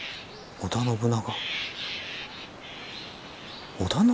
織田信長？